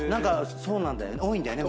そうなんだよね。